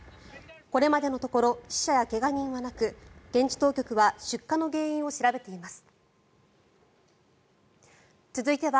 これまでのところ死者や怪我人はなく現地当局は出火の原因を調べています。